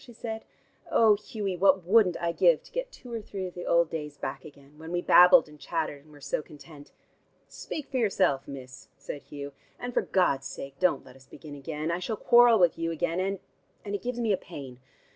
she said. "Oh, Hughie, what wouldn't I give to get two or three of the old days back again, when we babbled and chattered and were so content?" "Speak for yourself, miss," said Hugh. "And for God's sake don't let us begin again. I shall quarrel with you again, and and it gives me a pain.